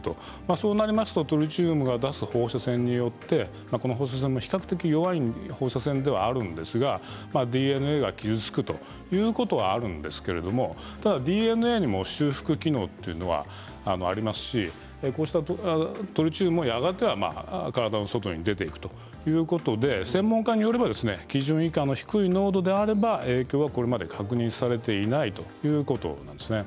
そうなりますとトリチウムが出す放射線によってこの放射線は比較的弱い放射線ではあるんですがＤＮＡが傷つくということはあるんですけれどただＤＮＡにも修復機能というのがありますしこうしたトリチウムもやがては体の外に出ていくということで専門家によると基準以下の低い濃度であれば影響はこれまで確認されていないということなんですね。